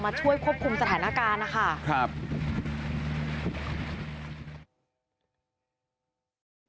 มาช่วยควบคุมสถานการณ์นะคะทีนี่คือท่านวงถักรวจบังครายฝนละครับ